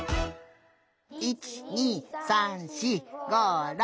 １２３４５６７８！